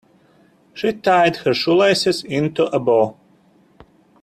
She tied her shoelaces into a bow.